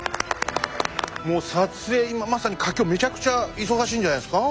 もう撮影今まさに佳境めちゃくちゃ忙しいんじゃないですか？